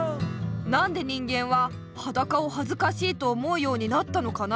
なんで人間ははだかをはずかしいと思うようになったのかな？